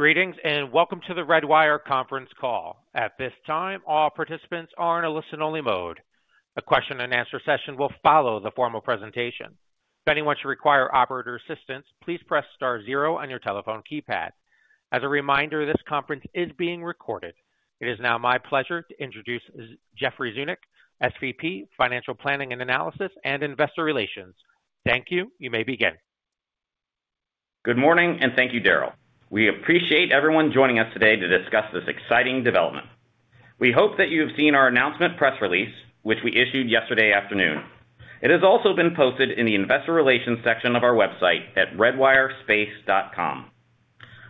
Greetings and welcome to the Redwire conference call. At this time, all participants are in a listen-only mode. A question-and-answer session will follow the formal presentation. If anyone should require operator assistance, please press star zero on your telephone keypad. As a reminder, this conference is being recorded. It is now my pleasure to introduce Jeffrey Zeunik, SVP, Financial Planning and Analysis, and Investor Relations. Thank you. You may begin. Good morning, and thank you, Daryl. We appreciate everyone joining us today to discuss this exciting development. We hope that you have seen our announcement press release, which we issued yesterday afternoon. It has also been posted in the Investor Relations section of our website at redwirespace.com.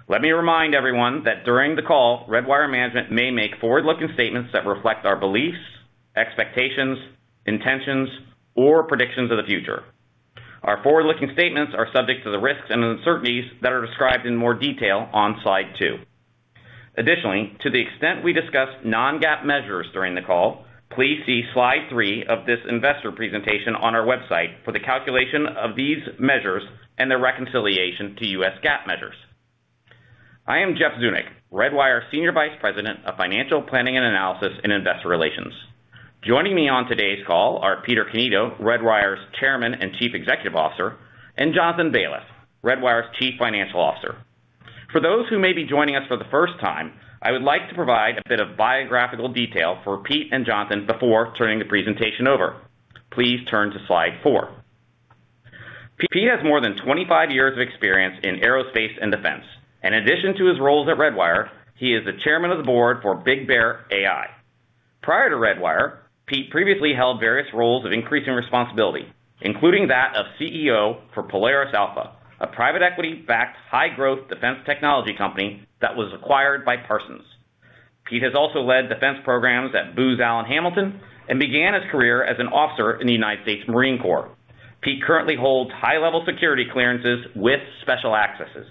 Let me remind everyone that during the call, Redwire Management may make forward-looking statements that reflect our beliefs, expectations, intentions, or predictions of the future. Our forward-looking statements are subject to the risks and uncertainties that are described in more detail on slide two. Additionally, to the extent we discuss non-GAAP measures during the call, please see slide three of this investor presentation on our website for the calculation of these measures and their reconciliation to U.S. GAAP measures. I am Jeff Zeunik, Redwire Senior Vice President of Financial Planning and Analysis and Investor Relations. Joining me on today's call are Peter Cannito, Redwire's Chairman and Chief Executive Officer, and Jonathan Baliff, Redwire's Chief Financial Officer. For those who may be joining us for the first time, I would like to provide a bit of biographical detail for Pete and Jonathan before turning the presentation over. Please turn to slide four. Pete has more than 25 years of experience in aerospace and defense. In addition to his roles at Redwire, he is the Chairman of the Board for BigBear.ai. Prior to Redwire, Pete previously held various roles of increasing responsibility, including that of CEO for Polaris Alpha, a private equity-backed, high-growth defense technology company that was acquired by Parsons. Pete has also led defense programs at Booz Allen Hamilton and began his career as an officer in the United States Marine Corps. Pete currently holds high-level security clearances with special accesses.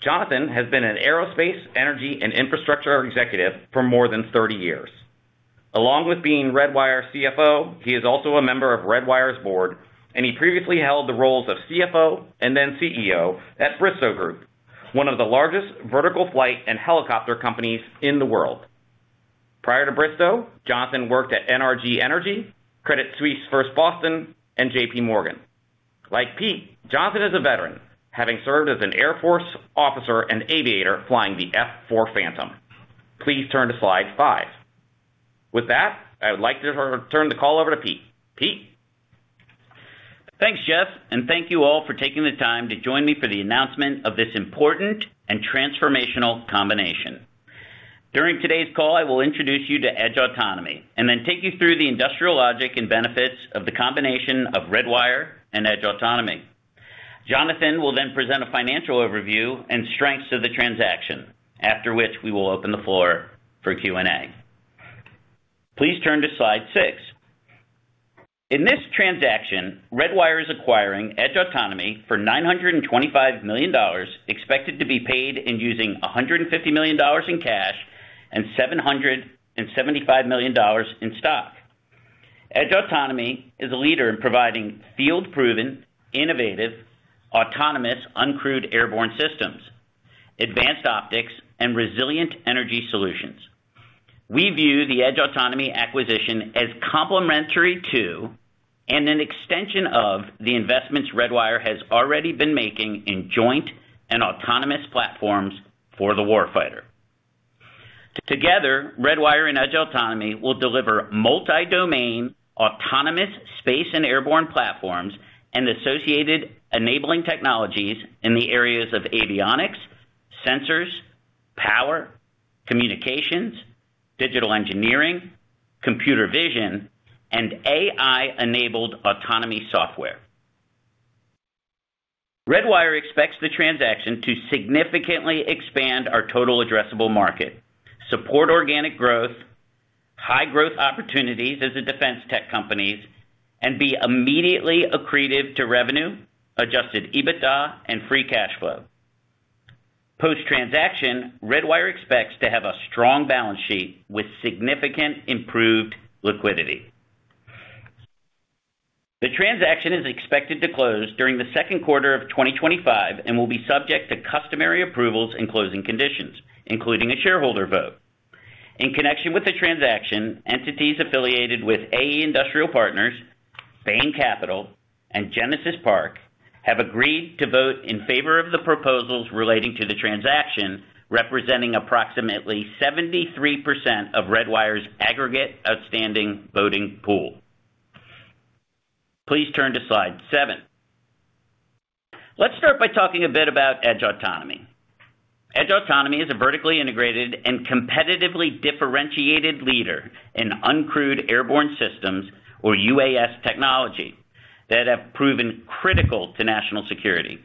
Jonathan has been an aerospace, energy, and infrastructure executive for more than 30 years. Along with being Redwire CFO, he is also a member of Redwire's board, and he previously held the roles of CFO and then CEO at Bristow Group, one of the largest vertical flight and helicopter companies in the world. Prior to Bristow, Jonathan worked at NRG Energy, Credit Suisse First Boston, and JP Morgan. Like Pete, Jonathan is a veteran, having served as an Air Force officer and aviator flying the F-4 Phantom. Please turn to slide five. With that, I would like to turn the call over to Pete. Pete. Thanks, Jeff, and thank you all for taking the time to join me for the announcement of this important and transformational combination. During today's call, I will introduce you to Edge Autonomy and then take you through the industrial logic and benefits of the combination of Redwire and Edge Autonomy. Jonathan will then present a financial overview and strengths of the transaction, after which we will open the floor for Q&A. Please turn to slide six. In this transaction, Redwire is acquiring Edge Autonomy for $925 million, expected to be paid using $150 million in cash and $775 million in stock. Edge Autonomy is a leader in providing field-proven, innovative, autonomous, uncrewed airborne systems, advanced optics, and resilient energy solutions. We view the Edge Autonomy acquisition as complementary to and an extension of the investments Redwire has already been making in joint and autonomous platforms for the warfighter. Together, Redwire and Edge Autonomy will deliver multi-domain autonomous space and airborne platforms and associated enabling technologies in the areas of avionics, sensors, power, communications, digital engineering, computer vision, and AI-enabled autonomy software. Redwire expects the transaction to significantly expand our total addressable market, support organic growth, high-growth opportunities as a defense tech companies, and be immediately accretive to revenue, adjusted EBITDA, and free cash flow. Post-transaction, Redwire expects to have a strong balance sheet with significant improved liquidity. The transaction is expected to close during the second quarter of 2025 and will be subject to customary approvals and closing conditions, including a shareholder vote. In connection with the transaction, entities affiliated with AE Industrial Partners, Bain Capital, and Genesis Park have agreed to vote in favor of the proposals relating to the transaction, representing approximately 73% of Redwire's aggregate outstanding voting pool. Please turn to slide seven. Let's start by talking a bit about Edge Autonomy. Edge Autonomy is a vertically integrated and competitively differentiated leader in uncrewed airborne systems, or UAS, technology that have proven critical to national security.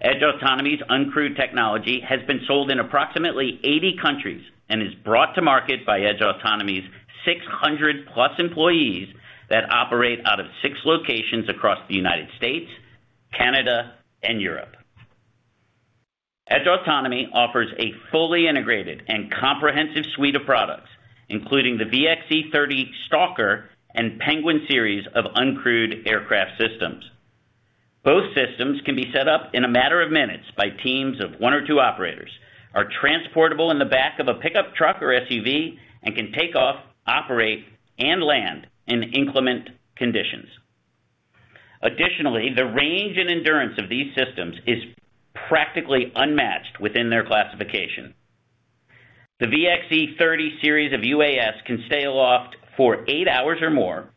Edge Autonomy's uncrewed technology has been sold in approximately 80 countries and is brought to market by Edge Autonomy's 600-plus employees that operate out of six locations across the United States, Canada, and Europe. Edge Autonomy offers a fully integrated and comprehensive suite of products, including the VXE30 Stalker and Penguin series of uncrewed aircraft systems. Both systems can be set up in a matter of minutes by teams of one or two operators, are transportable in the back of a pickup truck or SUV, and can take off, operate, and land in inclement conditions. Additionally, the range and endurance of these systems is practically unmatched within their classification. The VXE30 series of UAS can stay aloft for eight hours or more,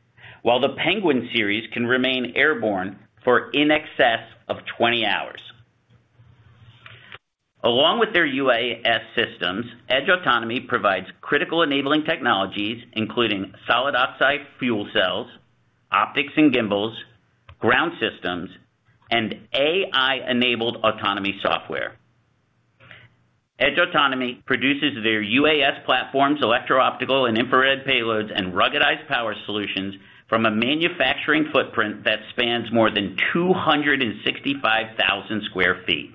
while the Penguin series can remain airborne for in excess of 20 hours. Along with their UAS systems, Edge Autonomy provides critical enabling technologies, including solid oxide fuel cells, optics and gimbals, ground systems, and AI-enabled autonomy software. Edge Autonomy produces their UAS platforms, electro-optical and infrared payloads, and ruggedized power solutions from a manufacturing footprint that spans more than 265,000 sq ft.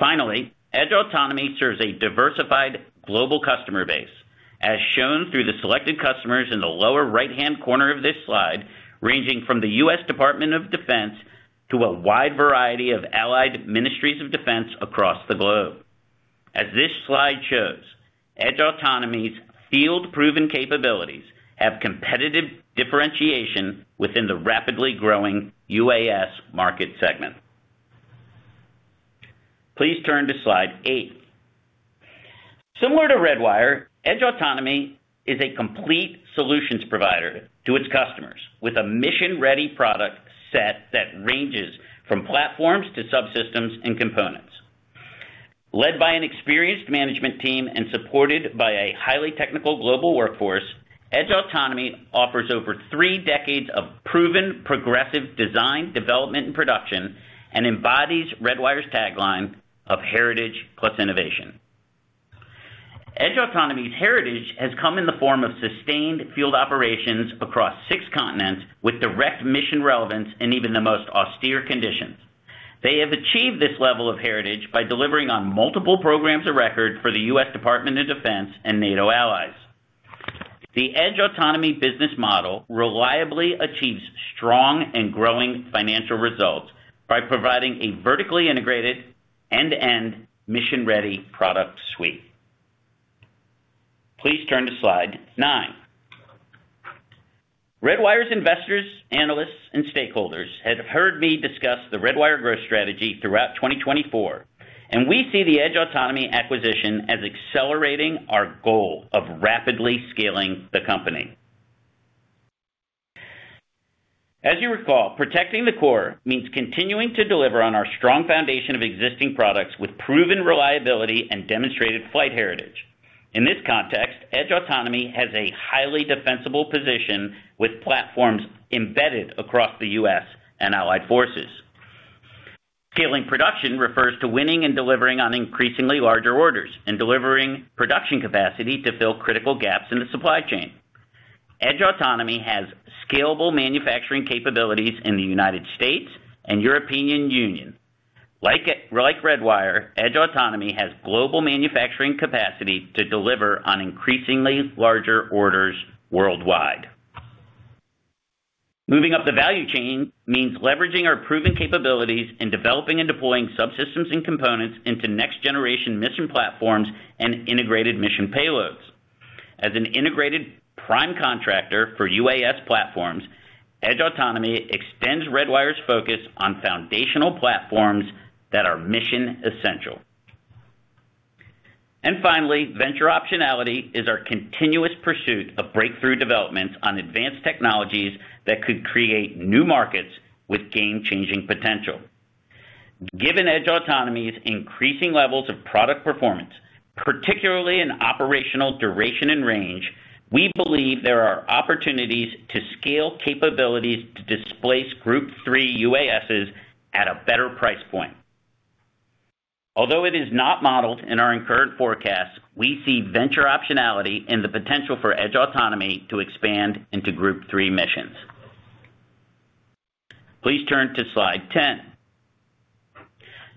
Finally, Edge Autonomy serves a diversified global customer base, as shown through the selected customers in the lower right-hand corner of this slide, ranging from the U.S. Department of Defense to a wide variety of allied ministries of defense across the globe. As this slide shows, Edge Autonomy's field-proven capabilities have competitive differentiation within the rapidly growing UAS market segment. Please turn to slide eight. Similar to Redwire, Edge Autonomy is a complete solutions provider to its customers with a mission-ready product set that ranges from platforms to subsystems and components. Led by an experienced management team and supported by a highly technical global workforce, Edge Autonomy offers over three decades of proven progressive design, development, and production and embodies Redwire's tagline of heritage plus innovation. Edge Autonomy's heritage has come in the form of sustained field operations across six continents with direct mission relevance in even the most austere conditions. They have achieved this level of heritage by delivering on multiple programs of record for the U.S. Department of Defense and NATO allies. The Edge Autonomy business model reliably achieves strong and growing financial results by providing a vertically integrated end-to-end mission-ready product suite. Please turn to slide nine. Redwire's investors, analysts, and stakeholders have heard me discuss the Redwire growth strategy throughout 2024, and we see the Edge Autonomy acquisition as accelerating our goal of rapidly scaling the company. As you recall, protecting the core means continuing to deliver on our strong foundation of existing products with proven reliability and demonstrated flight heritage. In this context, Edge Autonomy has a highly defensible position with platforms embedded across the U.S. and allied forces. Scaling production refers to winning and delivering on increasingly larger orders and delivering production capacity to fill critical gaps in the supply chain. Edge Autonomy has scalable manufacturing capabilities in the United States and European Union. Like Redwire, Edge Autonomy has global manufacturing capacity to deliver on increasingly larger orders worldwide. Moving up the value chain means leveraging our proven capabilities in developing and deploying subsystems and components into next-generation mission platforms and integrated mission payloads. As an integrated prime contractor for UAS platforms, Edge Autonomy extends Redwire's focus on foundational platforms that are mission essential. Finally, venture optionality is our continuous pursuit of breakthrough developments on advanced technologies that could create new markets with game-changing potential. Given Edge Autonomy's increasing levels of product performance, particularly in operational duration and range, we believe there are opportunities to scale capabilities to displace Group 3 UASs at a better price point. Although it is not modeled in our current forecast, we see venture optionality in the potential for Edge Autonomy to expand into Group 3 missions. Please turn to slide 10.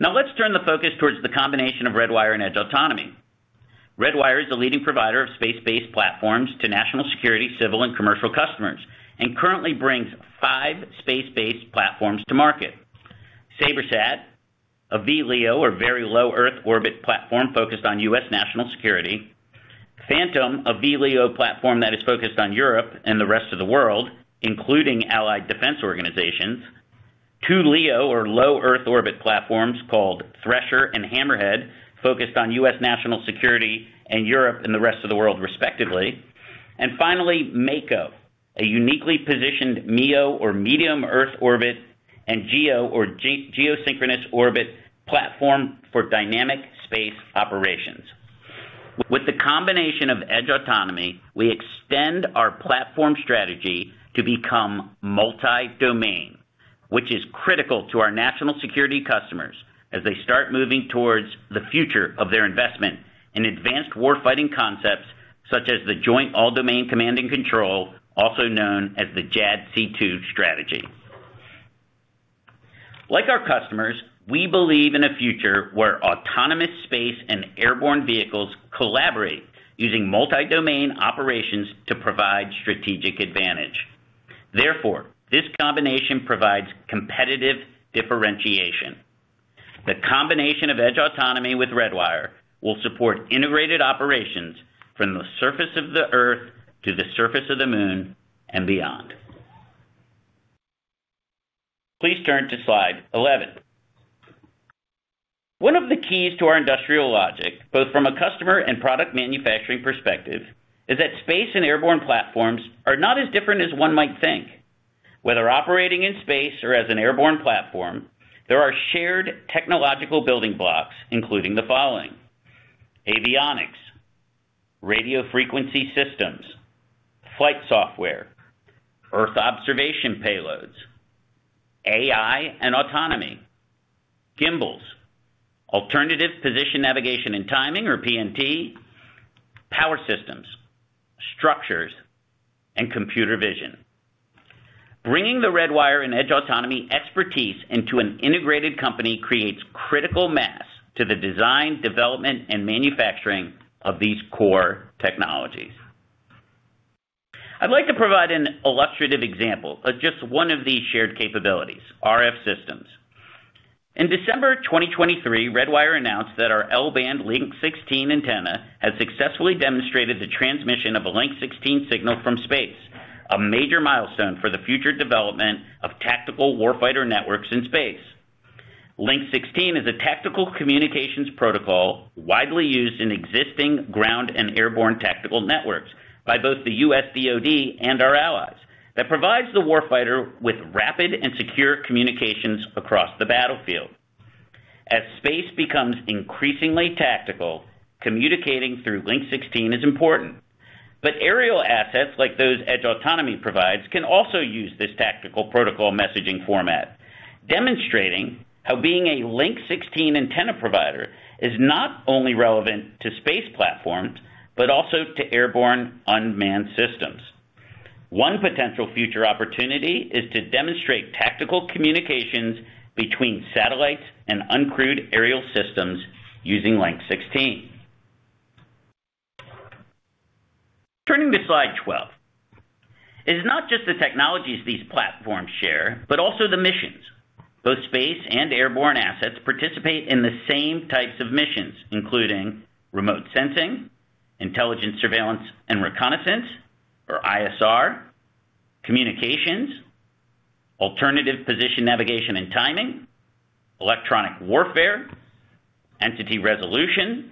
Now, let's turn the focus towards the combination of Redwire and Edge Autonomy. Redwire is a leading provider of space-based platforms to national security, civil, and commercial customers and currently brings five space-based platforms to market: SabreSat, a VLEO, or very low Earth orbit platform focused on U.S. national security. Phantom, a VLEO platform that is focused on Europe and the rest of the world, including allied defense organizations. Two LEO, or low Earth orbit platforms called Thresher and Hammerhead, focused on U.S. national security and Europe and the rest of the world, respectively. And finally, Mako, a uniquely positioned MEO, or medium Earth orbit, and GEO, or geosynchronous orbit platform for dynamic space operations. With the combination of Edge Autonomy, we extend our platform strategy to become multi-domain, which is critical to our national security customers as they start moving towards the future of their investment in advanced warfighting concepts such as the Joint All-Domain Command and Control, also known as the JADC2 strategy. Like our customers, we believe in a future where autonomous space and airborne vehicles collaborate using multi-domain operations to provide strategic advantage. Therefore, this combination provides competitive differentiation. The combination of Edge Autonomy with Redwire will support integrated operations from the surface of the Earth to the surface of the Moon and beyond. Please turn to slide 11. One of the keys to our industrial logic, both from a customer and product manufacturing perspective, is that space and airborne platforms are not as different as one might think. Whether operating in space or as an airborne platform, there are shared technological building blocks, including the following: avionics, radio frequency systems, flight software, Earth observation payloads, AI and autonomy, gimbals, alternative position navigation and timing, or PNT, power systems, structures, and computer vision. Bringing the Redwire and Edge Autonomy expertise into an integrated company creates critical mass to the design, development, and manufacturing of these core technologies. I'd like to provide an illustrative example of just one of these shared capabilities, RF systems. In December 2023, Redwire announced that our L-band Link-16 antenna has successfully demonstrated the transmission of a Link-16 signal from space, a major milestone for the future development of tactical warfighter networks in space. Link-16 is a tactical communications protocol widely used in existing ground and airborne tactical networks by both the U.S. DoD and our allies that provides the warfighter with rapid and secure communications across the battlefield. As space becomes increasingly tactical, communicating through Link-16 is important, but aerial assets like those Edge Autonomy provides can also use this tactical protocol messaging format, demonstrating how being a Link-16 antenna provider is not only relevant to space platforms but also to airborne unmanned systems. One potential future opportunity is to demonstrate tactical communications between satellites and uncrewed aerial systems using Link-16. Turning to slide 12, it is not just the technologies these platforms share, but also the missions. Both space and airborne assets participate in the same types of missions, including remote sensing, intelligence, surveillance, and reconnaissance, or ISR, communications, alternative position, navigation, and timing, electronic warfare, entity resolution,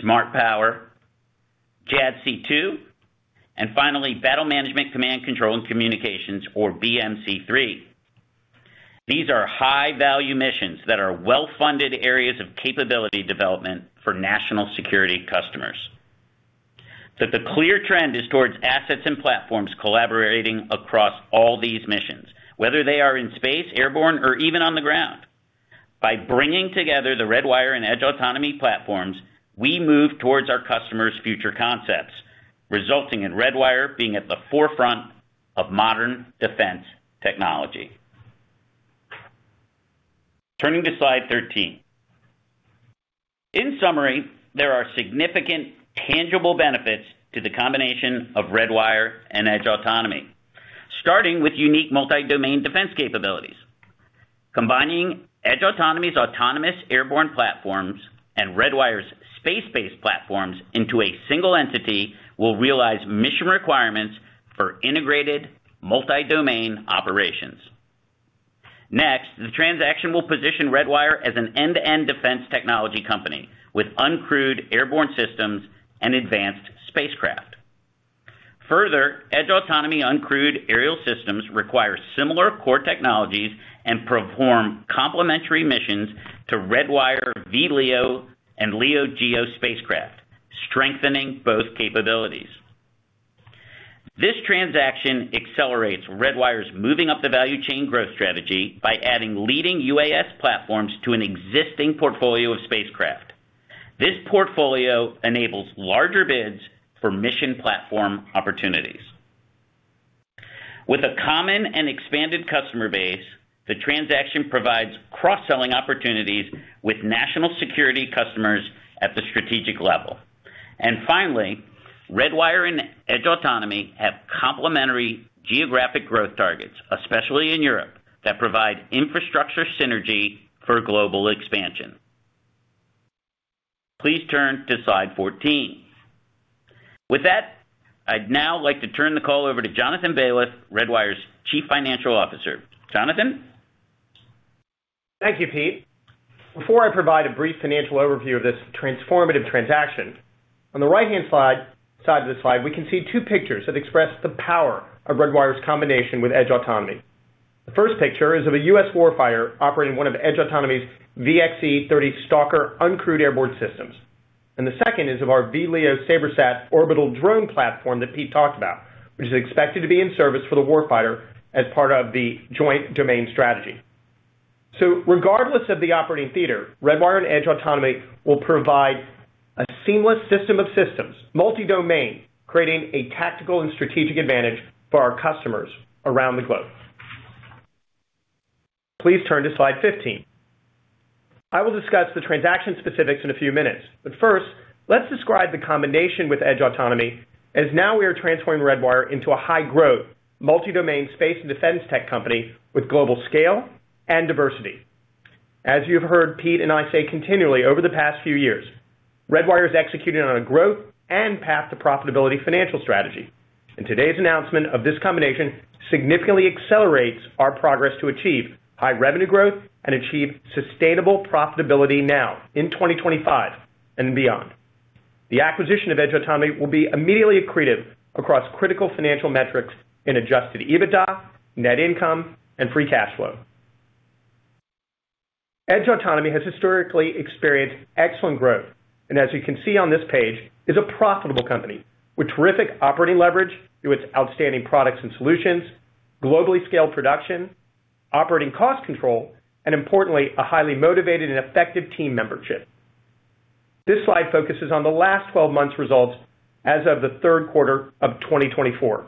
smart power, JADC2, and finally, battle management, command, control, and communications, or BMC3. These are high-value missions that are well-funded areas of capability development for national security customers. But the clear trend is towards assets and platforms collaborating across all these missions, whether they are in space, airborne, or even on the ground. By bringing together the Redwire and Edge Autonomy platforms, we move towards our customers' future concepts, resulting in Redwire being at the forefront of modern defense technology. Turning to slide 13. In summary, there are significant tangible benefits to the combination of Redwire and Edge Autonomy, starting with unique multi-domain defense capabilities. Combining Edge Autonomy's autonomous airborne platforms and Redwire's space-based platforms into a single entity will realize mission requirements for integrated multi-domain operations. Next, the transaction will position Redwire as an end-to-end defense technology company with uncrewed airborne systems and advanced spacecraft. Further, Edge Autonomy uncrewed aerial systems require similar core technologies and perform complementary missions to Redwire VLEO and LEO/GEO spacecraft, strengthening both capabilities. This transaction accelerates Redwire's moving up the value chain growth strategy by adding leading UAS platforms to an existing portfolio of spacecraft. This portfolio enables larger bids for mission platform opportunities. With a common and expanded customer base, the transaction provides cross-selling opportunities with national security customers at the strategic level. Finally, Redwire and Edge Autonomy have complementary geographic growth targets, especially in Europe, that provide infrastructure synergy for global expansion. Please turn to slide 14. With that, I'd now like to turn the call over to Jonathan Baliff, Redwire's Chief Financial Officer. Jonathan? Thank you, Pete. Before I provide a brief financial overview of this transformative transaction, on the right-hand side of the slide, we can see two pictures that express the power of Redwire's combination with Edge Autonomy. The first picture is of a U.S. warfighter operating one of Edge Autonomy's VXE30 Stalker uncrewed airborne systems. And the second is of our VLEO SabreSat orbital drone platform that Pete talked about, which is expected to be in service for the warfighter as part of the joint domain strategy. So regardless of the operating theater, Redwire and Edge Autonomy will provide a seamless system of systems, multi-domain, creating a tactical and strategic advantage for our customers around the globe. Please turn to slide 15. I will discuss the transaction specifics in a few minutes, but first, let's describe the combination with Edge Autonomy as now we are transforming Redwire into a high-growth, multi-domain space and defense tech company with global scale and diversity. As you've heard Pete and I say continually over the past few years, Redwire is executing on a growth and path to profitability financial strategy, and today's announcement of this combination significantly accelerates our progress to achieve high revenue growth and achieve sustainable profitability now in 2025 and beyond. The acquisition of Edge Autonomy will be immediately accretive across critical financial metrics in adjusted EBITDA, net income, and free cash flow. Edge Autonomy has historically experienced excellent growth, and as you can see on this page, is a profitable company with terrific operating leverage through its outstanding products and solutions, globally scaled production, operating cost control, and importantly, a highly motivated and effective team membership. This slide focuses on the last 12 months' results as of the third quarter of 2024.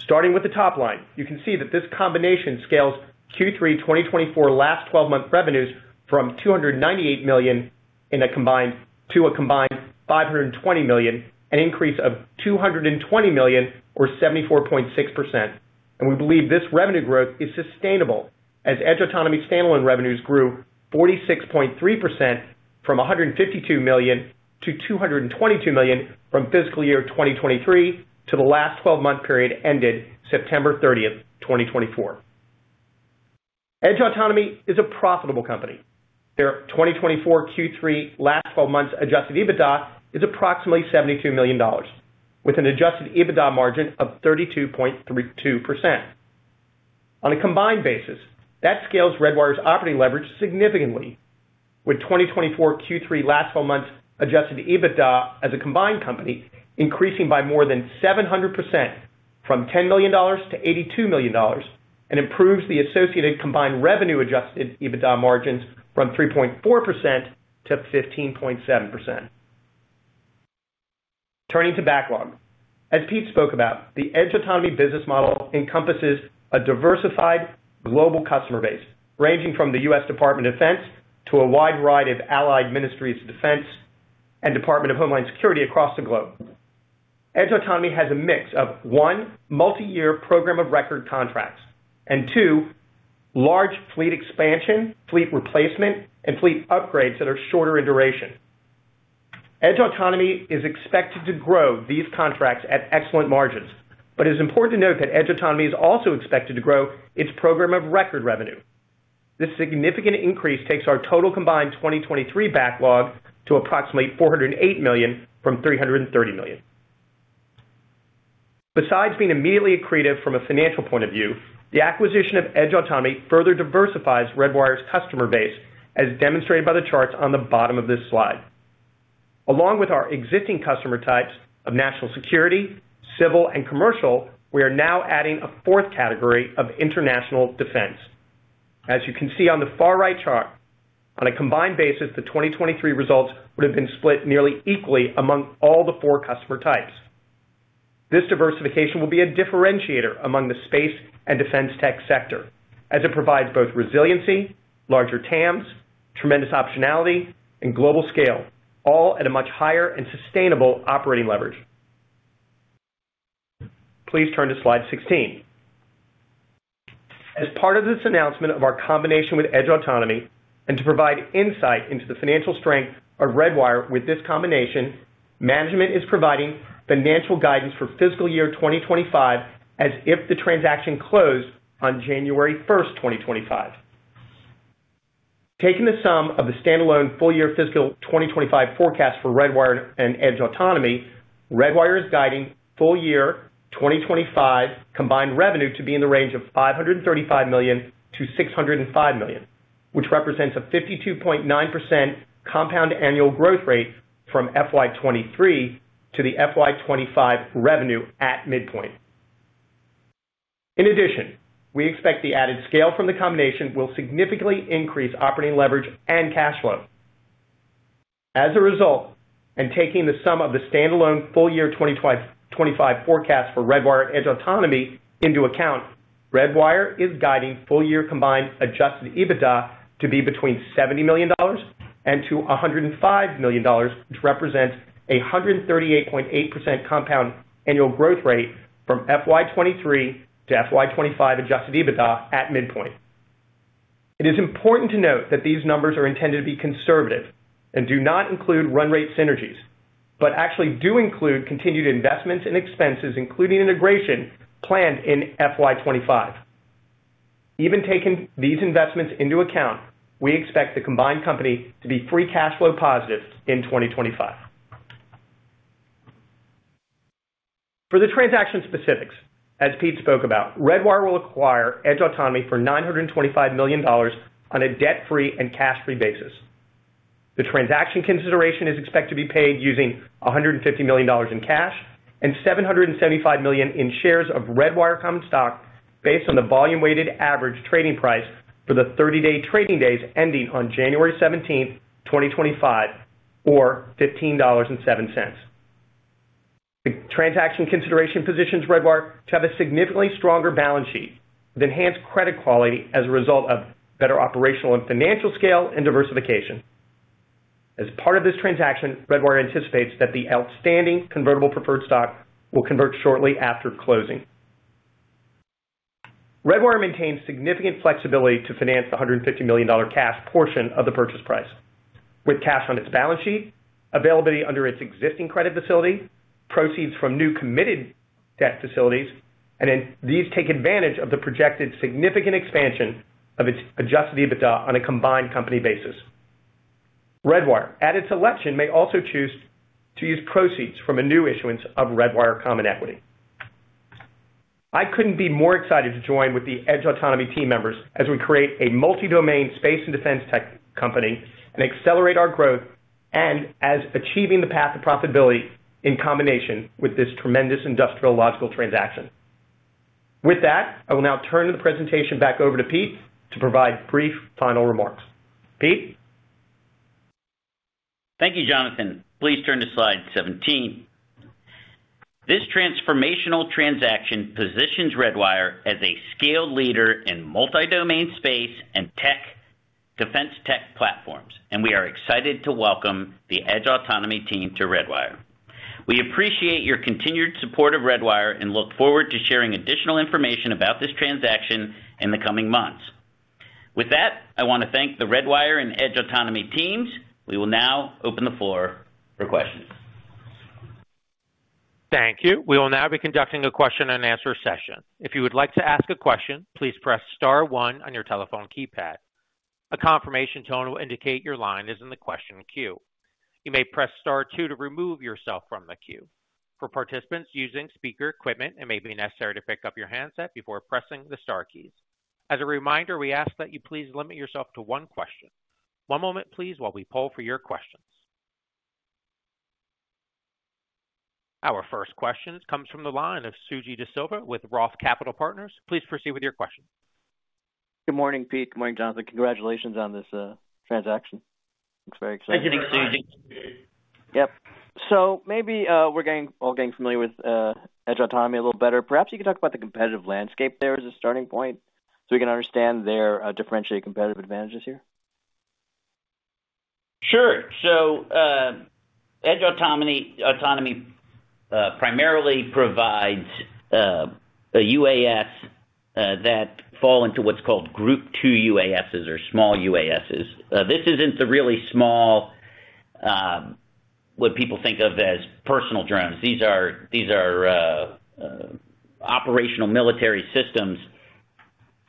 Starting with the top line, you can see that this combination scales Q3 2024 last 12-month revenues from $298 million in a combined to a combined $520 million, an increase of $220 million, or 74.6%, and we believe this revenue growth is sustainable as Edge Autonomy's standalone revenues grew 46.3% from $152 million to $222 million from fiscal year 2023 to the last 12-month period ended September 30th, 2024. Edge Autonomy is a profitable company. Their 2024 Q3 last 12 months' adjusted EBITDA is approximately $72 million, with an adjusted EBITDA margin of 32.2%. On a combined basis, that scales Redwire's operating leverage significantly, with 2024 Q3 last 12 months' adjusted EBITDA as a combined company increasing by more than 700% from $10 million to $82 million and improves the associated combined revenue adjusted EBITDA margins from 3.4% to 15.7%. Turning to backlog, as Pete spoke about, the Edge Autonomy business model encompasses a diversified global customer base ranging from the U.S. Department of Defense to a wide variety of allied ministries of defense and Department of Homeland Security across the globe. Edge Autonomy has a mix of one, multi-year program of record contracts, and two, large fleet expansion, fleet replacement, and fleet upgrades that are shorter in duration. Edge Autonomy is expected to grow these contracts at excellent margins, but it is important to note that Edge Autonomy is also expected to grow its program of record revenue. This significant increase takes our total combined 2023 backlog to approximately $408 million from $330 million. Besides being immediately accretive from a financial point of view, the acquisition of Edge Autonomy further diversifies Redwire's customer base, as demonstrated by the charts on the bottom of this slide. Along with our existing customer types of national security, civil, and commercial, we are now adding a fourth category of international defense. As you can see on the far right chart, on a combined basis, the 2023 results would have been split nearly equally among all the four customer types. This diversification will be a differentiator among the space and defense tech sector, as it provides both resiliency, larger TAMs, tremendous optionality, and global scale, all at a much higher and sustainable operating leverage. Please turn to slide 16. As part of this announcement of our combination with Edge Autonomy and to provide insight into the financial strength of Redwire with this combination, management is providing financial guidance for fiscal year 2025 as if the transaction closed on January 1st, 2025. Taking the sum of the standalone full-year fiscal 2025 forecast for Redwire and Edge Autonomy, Redwire is guiding full-year 2025 combined revenue to be in the range of $535 million-$605 million, which represents a 52.9% compound annual growth rate from FY 2023 to the FY 2025 revenue at midpoint. In addition, we expect the added scale from the combination will significantly increase operating leverage and cash flow. As a result, and taking the sum of the standalone full-year 2025 forecast for Redwire and Edge Autonomy into account, Redwire is guiding full-year combined adjusted EBITDA to be between $70 million and $105 million, which represents a 138.8% compound annual growth rate from FY 2023 to FY 2025 adjusted EBITDA at midpoint. It is important to note that these numbers are intended to be conservative and do not include run rate synergies, but actually do include continued investments and expenses, including integration planned in FY 2025. Even taking these investments into account, we expect the combined company to be free cash flow positive in 2025. For the transaction specifics, as Pete spoke about, Redwire will acquire Edge Autonomy for $925 million on a debt-free and cash-free basis. The transaction consideration is expected to be paid using $150 million in cash and $775 million in shares of Redwire common stock based on the volume-weighted average trading price for the 30-day trading days ending on January 17th, 2025, or $15.07. The transaction consideration positions Redwire to have a significantly stronger balance sheet with enhanced credit quality as a result of better operational and financial scale and diversification. As part of this transaction, Redwire anticipates that the outstanding convertible preferred stock will convert shortly after closing. Redwire maintains significant flexibility to finance the $150 million cash portion of the purchase price with cash on its balance sheet, availability under its existing credit facility, proceeds from new committed debt facilities, and these take advantage of the projected significant expansion of its adjusted EBITDA on a combined company basis. Redwire, at its election, may also choose to use proceeds from a new issuance of Redwire Common Equity. I couldn't be more excited to join with the Edge Autonomy team members as we create a multi-domain space and defense tech company and accelerate our growth and as achieving the path of profitability in combination with this tremendous industrially logical transaction. With that, I will now turn the presentation back over to Pete to provide brief final remarks. Pete. Thank you, Jonathan. Please turn to slide 17. This transformational transaction positions Redwire as a scaled leader in multi-domain space and defense tech platforms, and we are excited to welcome the Edge Autonomy team to Redwire. We appreciate your continued support of Redwire and look forward to sharing additional information about this transaction in the coming months. With that, I want to thank the Redwire and Edge Autonomy teams. We will now open the floor for questions. Thank you. We will now be conducting a question and answer session. If you would like to ask a question, please press Star one on your telephone keypad. A confirmation tone will indicate your line is in the question queue. You may press Star two to remove yourself from the queue. For participants using speaker equipment, it may be necessary to pick up your handset before pressing the Star keys. As a reminder, we ask that you please limit yourself to one question. One moment, please, while we poll for your questions. Our first question comes from the line of Suji DeSilva with ROTH Capital Partners. Please proceed with your question. Good morning, Pete. Good morning, Jonathan. Congratulations on this transaction. It's very exciting. Thank you, Suji. Yep. So maybe we're all getting familiar with Edge Autonomy a little better. Perhaps you could talk about the competitive landscape there as a starting point so we can understand their differentiated competitive advantages here. Sure. So Edge Autonomy primarily provides UAS that fall into what's called Group 2 UASs or small UASs. This isn't the really small, what people think of as personal drones. These are operational military systems,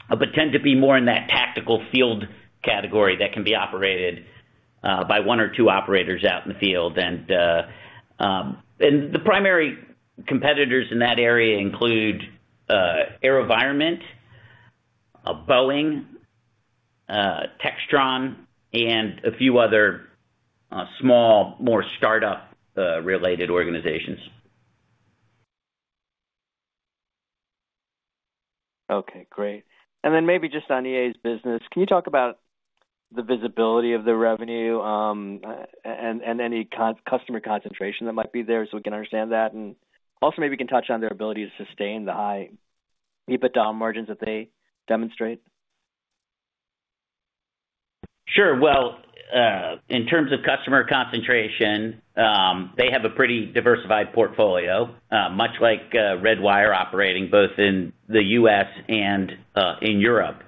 but tend to be more in that tactical field category that can be operated by one or two operators out in the field. The primary competitors in that area include AeroVironment, Boeing, Textron, and a few other small, more startup-related organizations. Okay. Great. Then maybe just on EA's business, can you talk about the visibility of the revenue and any customer concentration that might be there so we can understand that? Also maybe you can touch on their ability to sustain the high EBITDA margins that they demonstrate. Sure. In terms of customer concentration, they have a pretty diversified portfolio, much like Redwire operating both in the U.S. and in Europe.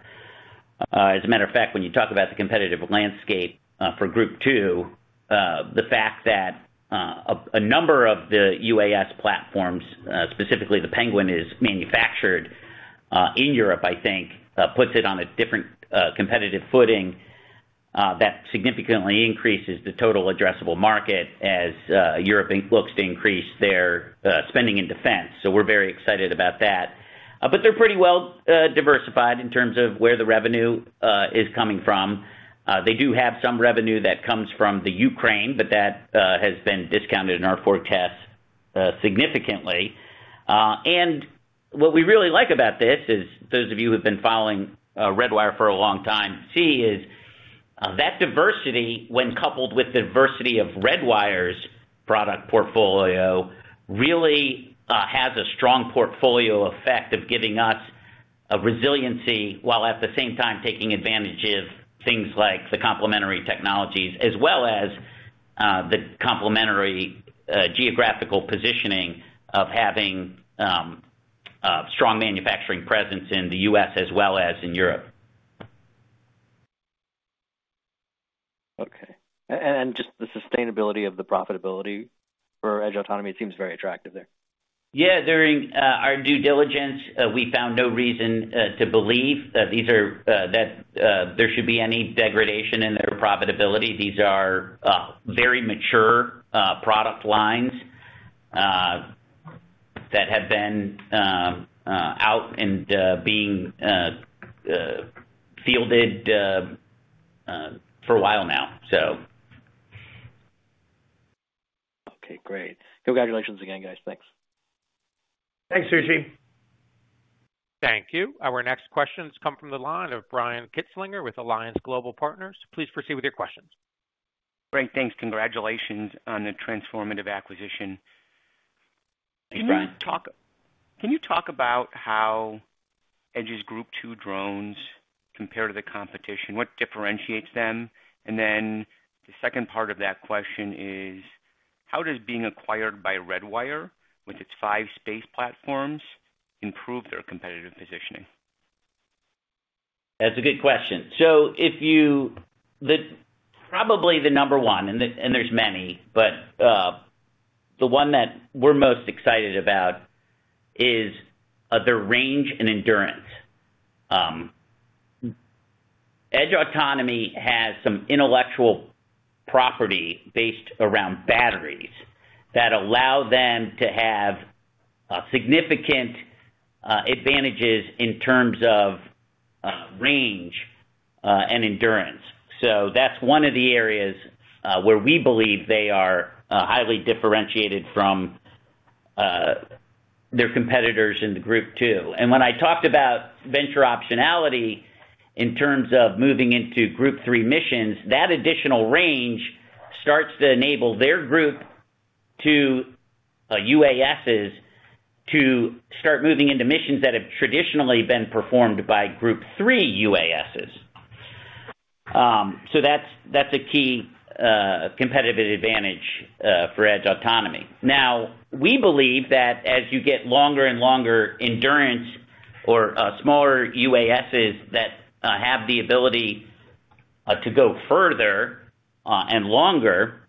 As a matter of fact, when you talk about the competitive landscape for Group 2, the fact that a number of the UAS platforms, specifically the Penguin, is manufactured in Europe, I think, puts it on a different competitive footing that significantly increases the total addressable market as Europe looks to increase their spending in defense. We're very excited about that. They're pretty well diversified in terms of where the revenue is coming from. They do have some revenue that comes from the Ukraine, but that has been discounted in our forecast significantly. And what we really like about this is, those of you who have been following Redwire for a long time see that diversity, when coupled with the diversity of Redwire's product portfolio, really has a strong portfolio effect of giving us resiliency while at the same time taking advantage of things like the complementary technologies, as well as the complementary geographical positioning of having strong manufacturing presence in the U.S. as well as in Europe. Okay. And just the sustainability of the profitability for Edge Autonomy, it seems very attractive there. Yeah. During our due diligence, we found no reason to believe that there should be any degradation in their profitability. These are very mature product lines that have been out and being fielded for a while now, so. Okay. Great. Congratulations again, guys. Thanks. Thanks, Suji. Thank you. Our next questions come from the line of Brian Kintslinger with Alliance Global Partners. Please proceed with your questions. Great. Thanks. Congratulations on the transformative acquisition. Thanks, Brian. Can you talk about how Edge's Group 2 drones compare to the competition? What differentiates them? And then the second part of that question is, how does being acquired by Redwire, with its five space platforms, improve their competitive positioning? That's a good question. So probably the number one, and there's many, but the one that we're most excited about is their range and endurance. Edge Autonomy has some intellectual property based around batteries that allow them to have significant advantages in terms of range and endurance. So that's one of the areas where we believe they are highly differentiated from their competitors in the Group 2. And when I talked about greater optionality in terms of moving into Group 3 missions, that additional range starts to enable their Group 2 UASs to start moving into missions that have traditionally been performed by Group 3 UASs. So that's a key competitive advantage for Edge Autonomy. Now, we believe that as you get longer and longer endurance or smaller UASs that have the ability to go further and longer,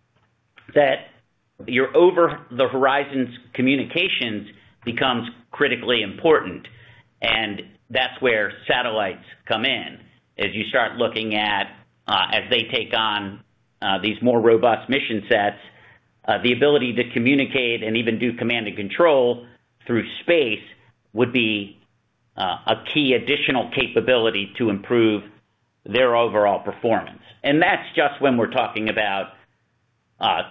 that your over-the-horizon communications becomes critically important. And that's where satellites come in. As they take on these more robust mission sets, the ability to communicate and even do command and control through space would be a key additional capability to improve their overall performance. And that's just when we're talking about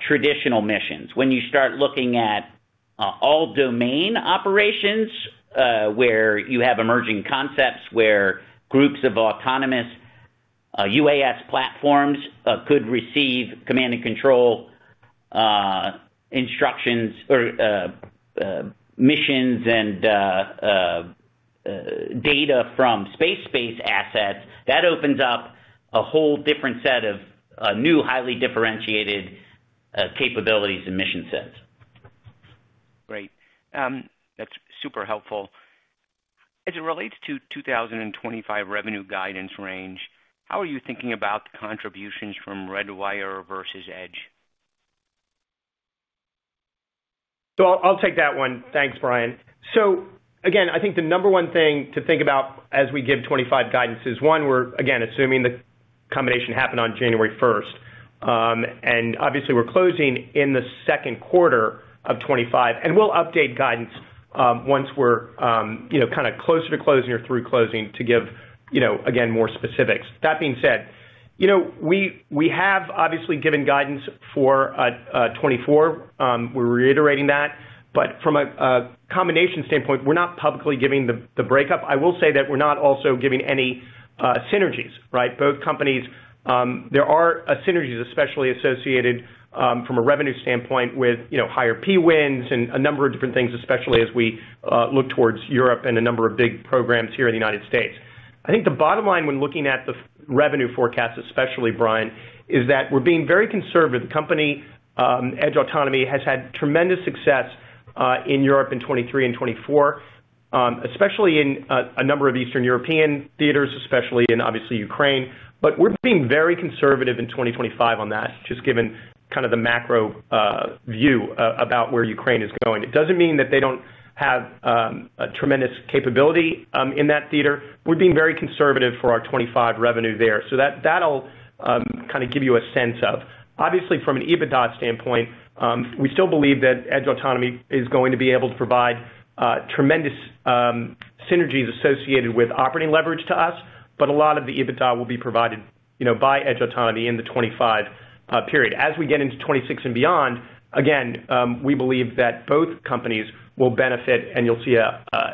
traditional missions. When you start looking at all-domain operations where you have emerging concepts where groups of autonomous UAS platforms could receive command and control instructions or missions and data from space-based assets, that opens up a whole different set of new, highly differentiated capabilities and mission sets. Great. That's super helpful. As it relates to 2025 revenue guidance range, how are you thinking about contributions from Redwire versus Edge? So I'll take that one. Thanks, Brian. So again, I think the number one thing to think about as we give 2025 guidance is, one, we're again assuming the combination happened on January 1st. And obviously, we're closing in the second quarter of 2025. And we'll update guidance once we're kind of closer to closing or through closing to give, again, more specifics. That being said, we have obviously given guidance for 2024. We're reiterating that. But from a combination standpoint, we're not publicly giving the breakup. I will say that we're not also giving any synergies, right? Both companies, there are synergies especially associated from a revenue standpoint with higher PWins and a number of different things, especially as we look towards Europe and a number of big programs here in the United States. I think the bottom line when looking at the revenue forecast, especially, Brian, is that we're being very conservative. The company, Edge Autonomy, has had tremendous success in Europe in 2023 and 2024, especially in a number of Eastern European theaters, especially in, obviously, Ukraine. But we're being very conservative in 2025 on that, just given kind of the macro view about where Ukraine is going. It doesn't mean that they don't have tremendous capability in that theater. We're being very conservative for our 2025 revenue there. So, that'll kind of give you a sense of. Obviously, from an EBITDA standpoint, we still believe that Edge Autonomy is going to be able to provide tremendous synergies associated with operating leverage to us, but a lot of the EBITDA will be provided by Edge Autonomy in the 2025 period. As we get into 2026 and beyond, again, we believe that both companies will benefit, and you'll see,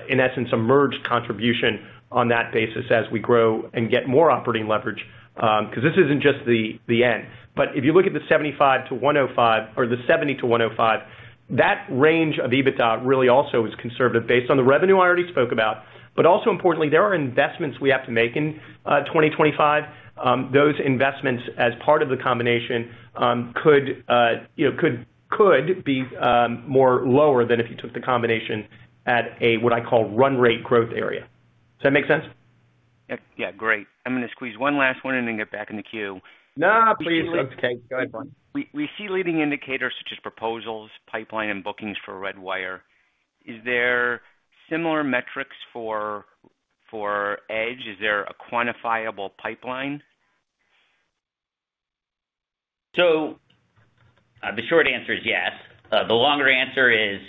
in essence, a merged contribution on that basis as we grow and get more operating leverage because this isn't just the end. But if you look at the $75-$105 or the $70-$105, that range of EBITDA really also is conservative based on the revenue I already spoke about. But also importantly, there are investments we have to make in 2025. Those investments, as part of the combination, could be more lower than if you took the combination at a, what I call, run rate growth area. Does that make sense? Yeah. Great. I'm going to squeeze one last one in and get back in the queue. No, please. Okay. Go ahead, Brian. We see leading indicators such as proposals, pipeline, and bookings for Redwire. Is there similar metrics for Edge? Is there a quantifiable pipeline? The short answer is yes. The longer answer is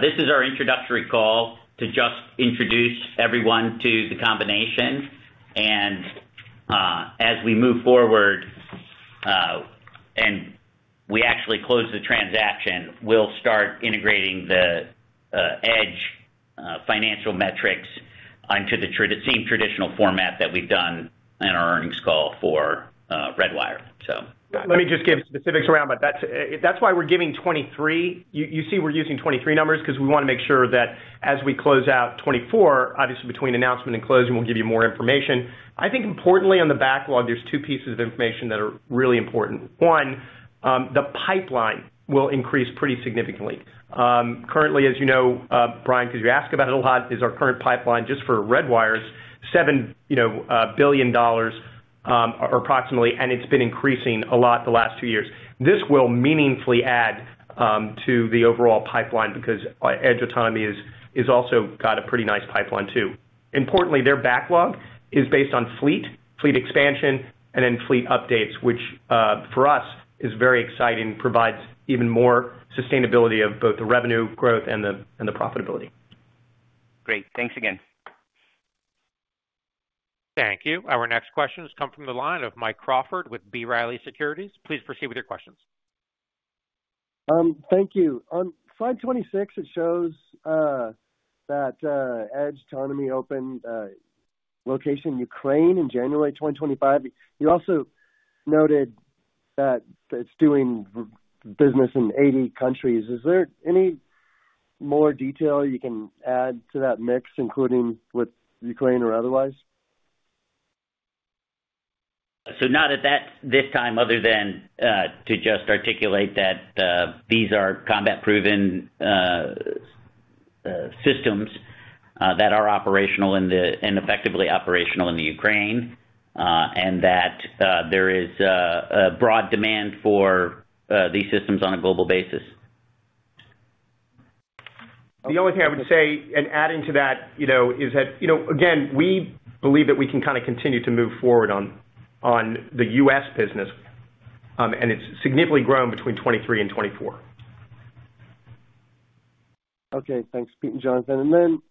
this is our introductory call to just introduce everyone to the combination, and as we move forward and we actually close the transaction, we'll start integrating the Edge financial metrics onto the same traditional format that we've done in our earnings call for Redwire, so. Let me just give specifics around, but that's why we're giving 2023. You see we're using 2023 numbers because we want to make sure that as we close out 2024, obviously, between announcement and closing, we'll give you more information. I think importantly, on the backlog, there's two pieces of information that are really important. One, the pipeline will increase pretty significantly. Currently, as you know, Brian, because you ask about it a lot, is our current pipeline just for Redwire's $7 billion or approximately, and it's been increasing a lot the last two years. This will meaningfully add to the overall pipeline because Edge Autonomy has also got a pretty nice pipeline too. Importantly, their backlog is based on fleet, fleet expansion, and then fleet updates, which for us is very exciting, provides even more sustainability of both the revenue growth and the profitability. Great. Thanks again. Thank you. Our next questions come from the line of Mike Crawford with B. Riley Securities. Please proceed with your questions. Thank you. On slide 26, it shows that Edge Autonomy opened location Ukraine in January 2025. You also noted that it's doing business in 80 countries. Is there any more detail you can add to that mix, including with Ukraine or otherwise? So not at this time, other than to just articulate that these are combat-proven systems that are operational and effectively operational in Ukraine and that there is a broad demand for these systems on a global basis. The only thing I would say, and adding to that, is that, again, we believe that we can kind of continue to move forward on the U.S. business, and it's significantly grown between 2023 and 2024. Okay. Thanks, Pete and Jonathan. And then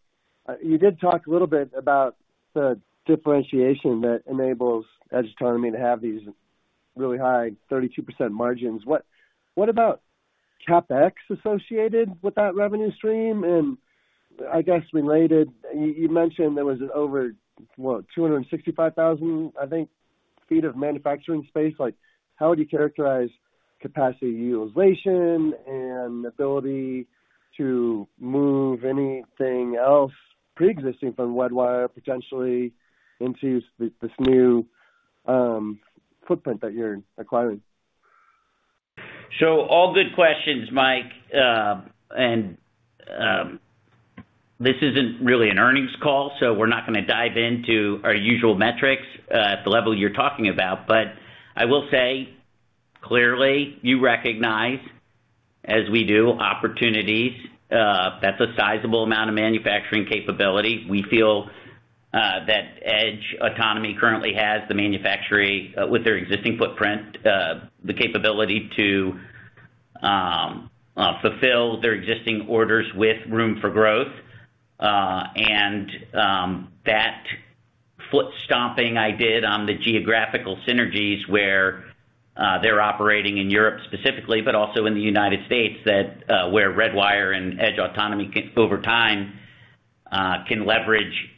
you did talk a little bit about the differentiation that enables Edge Autonomy to have these really high 32% margins. What about CapEx associated with that revenue stream? And I guess related, you mentioned there was over, what, 265,000, I think, feet of manufacturing space. How would you characterize capacity utilization and ability to move anything else pre-existing from Redwire potentially into this new footprint that you're acquiring? So all good questions, Mike. And this isn't really an earnings call, so we're not going to dive into our usual metrics at the level you're talking about. But I will say clearly, you recognize, as we do, opportunities. That's a sizable amount of manufacturing capability. We feel that Edge Autonomy currently has the manufacturing with their existing footprint, the capability to fulfill their existing orders with room for growth. And that foot-stomping I did on the geographical synergies where they're operating in Europe specifically, but also in the United States, where Redwire and Edge Autonomy over time can leverage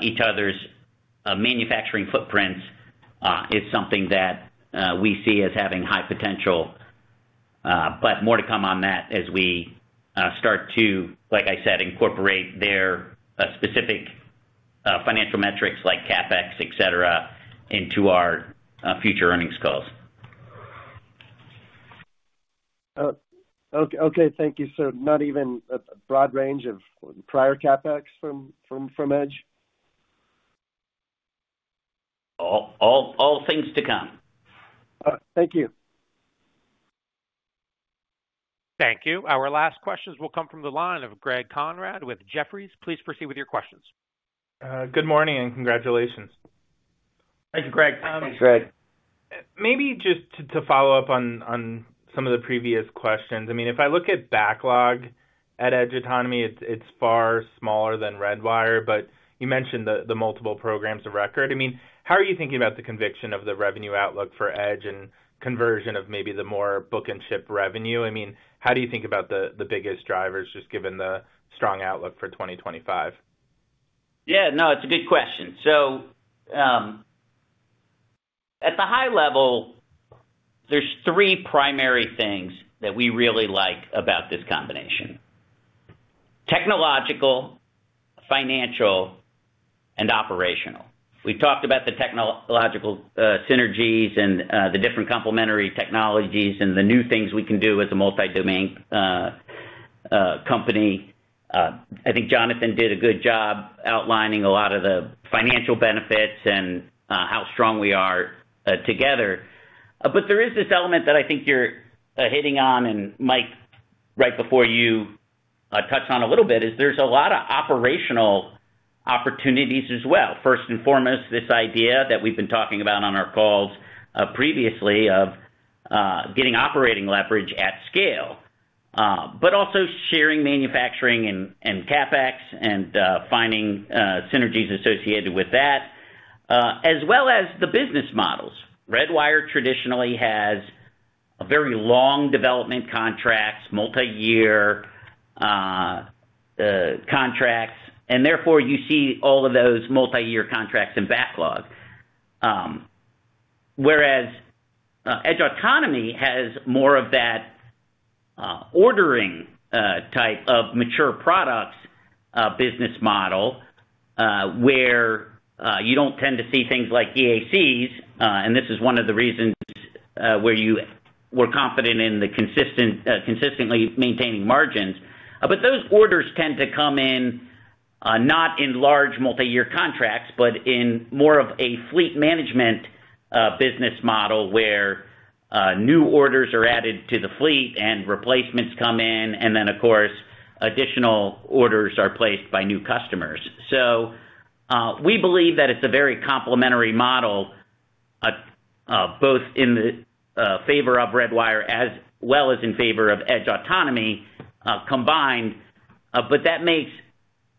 each other's manufacturing footprints is something that we see as having high potential. But more to come on that as we start to, like I said, incorporate their specific financial metrics like CapEx, etc., into our future earnings calls. Okay. Thank you. So not even a broad range of prior CapEx from Edge? All things to come. Thank you. Thank you. Our last questions will come from the line of Greg Konrad with Jefferies. Please proceed with your questions. Good morning and congratulations. Thank you, Greg. Thanks, Greg. Maybe just to follow up on some of the previous questions. I mean, if I look at backlog at Edge Autonomy, it's far smaller than Redwire, but you mentioned the multiple programs of record. I mean, how are you thinking about the conviction in the revenue outlook for Edge and conversion of maybe the more book and ship revenue? I mean, how do you think about the biggest drivers, just given the strong outlook for 2025? Yeah. No, it's a good question. So at the high level, there's three primary things that we really like about this combination: technological, financial, and operational. We've talked about the technological synergies and the different complementary technologies and the new things we can do as a multi-domain company. I think Jonathan did a good job outlining a lot of the financial benefits and how strong we are together. But there is this element that I think you're hitting on, and Mike, right before you touch on a little bit, is there's a lot of operational opportunities as well. First and foremost, this idea that we've been talking about on our calls previously of getting operating leverage at scale, but also sharing manufacturing and CapEx and finding synergies associated with that, as well as the business models. Redwire traditionally has very long development contracts, multi-year contracts, and therefore you see all of those multi-year contracts in backlog. Whereas Edge Autonomy has more of that ordering type of mature products business model where you don't tend to see things like EACs. And this is one of the reasons where you were confident in the consistently maintaining margins. But those orders tend to come in not in large multi-year contracts, but in more of a fleet management business model where new orders are added to the fleet and replacements come in, and then, of course, additional orders are placed by new customers, so we believe that it's a very complementary model, both in favor of Redwire as well as in favor of Edge Autonomy combined, but that makes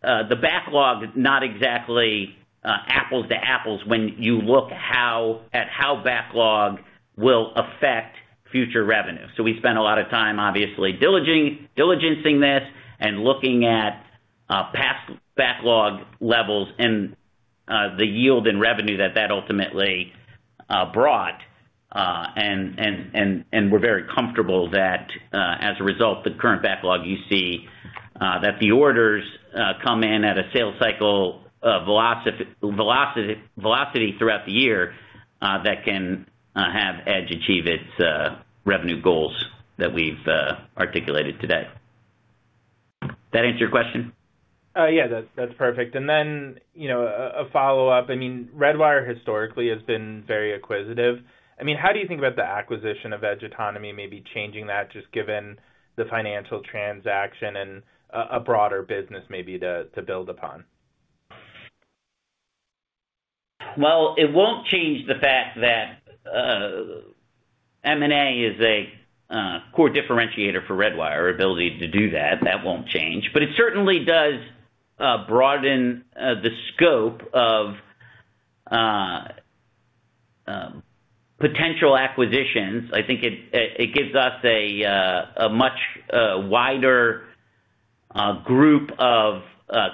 the backlog not exactly apples to apples when you look at how backlog will affect future revenue, so we spent a lot of time, obviously, diligencing this and looking at past backlog levels and the yield and revenue that that ultimately brought, and we're very comfortable that, as a result, the current backlog, you see that the orders come in at a sales cycle velocity throughout the year that can have Edge achieve its revenue goals that we've articulated today. That answer your question? Yeah. That's perfect, and then a follow-up. I mean, Redwire historically has been very acquisitive. I mean, how do you think about the acquisition of Edge Autonomy, maybe changing that just given the financial transaction and a broader business maybe to build upon? Well, it won't change the fact that M&A is a core differentiator for Redwire, our ability to do that. That won't change, but it certainly does broaden the scope of potential acquisitions. I think it gives us a much wider group of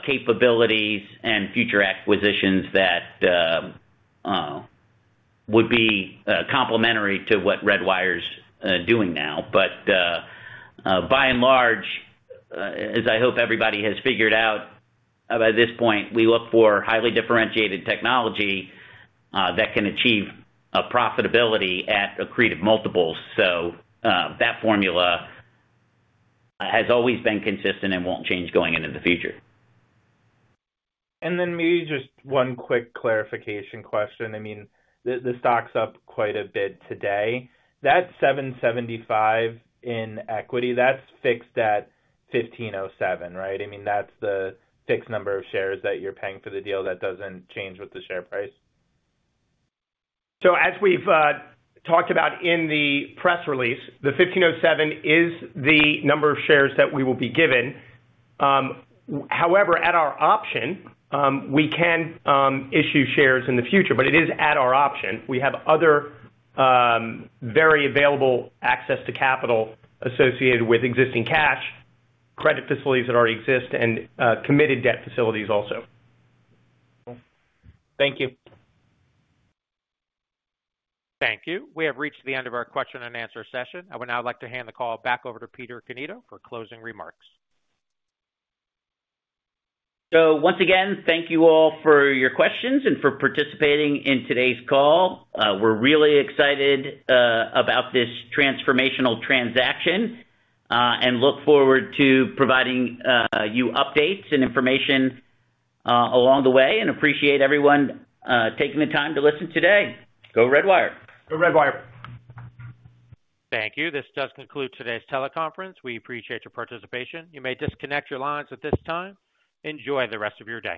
capabilities and future acquisitions that would be complementary to what Redwire's doing now, but by and large, as I hope everybody has figured out by this point, we look for highly differentiated technology that can achieve profitability at accretive multiples, so that formula has always been consistent and won't change going into the future. And then maybe just one quick clarification question. I mean, the stock's up quite a bit today. That 775 in equity, that's fixed at 1507, right? I mean, that's the fixed number of shares that you're paying for the deal that doesn't change with the share price? So as we've talked about in the press release, the 1507 is the number of shares that we will be given. However, at our option, we can issue shares in the future, but it is at our option. We have other very available access to capital associated with existing cash, credit facilities that already exist, and committed debt facilities also. Thank you. Thank you. We have reached the end of our question and answer session. I would now like to hand the call back over to Peter Cannito for closing remarks. So once again, thank you all for your questions and for participating in today's call. We're really excited about this transformational transaction and look forward to providing you updates and information along the way and appreciate everyone taking the time to listen today. Go Redwire. Go Redwire. Thank you. This does conclude today's teleconference. We appreciate your participation. You may disconnect your lines at this time. Enjoy the rest of your day.